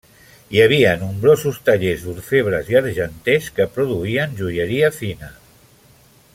Hi havia nombrosos tallers d'orfebres i argenters que produïen joieria fina.